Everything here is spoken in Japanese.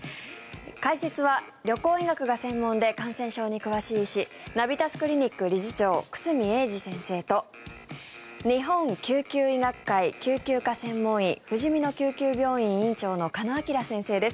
解説は旅行医学が専門で感染症に詳しい医師ナビタスクリニック理事長久住英二先生と日本救急医学会救急科専門医ふじみの救急病院院長の鹿野晃先生です。